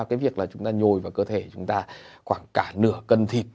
cái việc là chúng ta nhồi vào cơ thể chúng ta khoảng cả nửa cân thịt